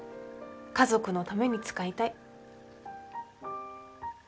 家族のために使いたい。